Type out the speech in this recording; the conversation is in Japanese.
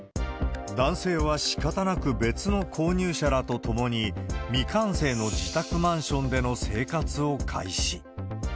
男性はしかたなく別の購入者らと共に、未完成の自宅マンションでの生活を開始。